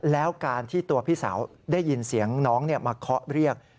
แล้วการที่ตัวพี่สาวได้ยินเสียงน้องมาเคาะเรียก